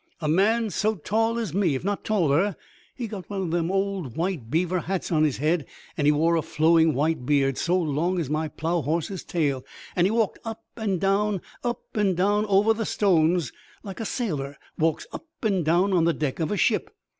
"A man so tall as me, if not taller. He'd got one of them old white beaver hats on his head, and he wore a flowing white beard, so long as my plough horse's tail, and he walked up and down, up and down over the stones, like a sailor walks up and down on the deck of a ship.